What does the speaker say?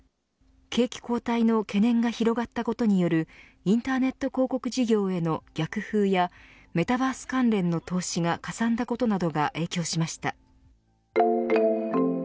景気後退の懸念が広がったことによるインターネット広告事業への逆風やメタバース関連の投資がかさんだことなどが影響しました。